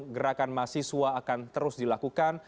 gerakan mahasiswa akan terus dilakukan